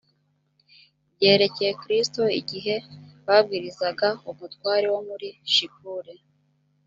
byerekeye kristo igihe babwirizaga umutware wo muri shipure